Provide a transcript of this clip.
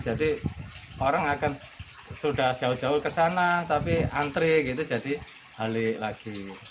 jadi orang akan sudah jauh jauh ke sana tapi antre gitu jadi halik lagi